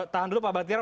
tahan dulu pak bantir